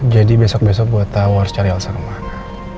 jadi besok besok gue tau harus cari elsa kemana